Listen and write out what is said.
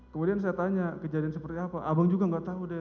kemudian saya tanya kejadian seperti apa abang juga nggak tahu deh